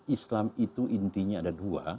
islam itu intinya ada dua